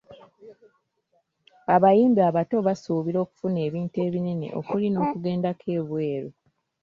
Abayimbi abato basuubira okufuna ebintu ebinene okuli n’okugendako ebweru.